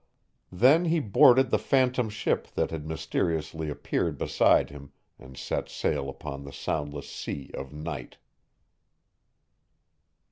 Then he boarded the phantom ship that had mysteriously appeared beside him and set sail upon the soundless sea of night.